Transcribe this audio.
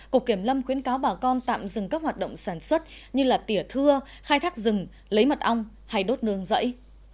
cục kiểm lâm khuyến cáo bà con tạm dừng các hoạt động sản xuất như tỉa thưa khai thác rừng lấy mật ong hay đốt nương rẫy